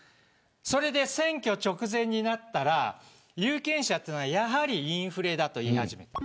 それで選挙直前になったら有権者はやはりインフレだと言い始めた。